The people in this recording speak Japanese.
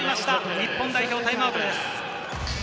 日本代表タイムアウトです。